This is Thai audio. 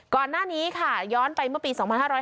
ก่อนหน้านี้ค่ะย้อนไปเมื่อปี๒๕๕๙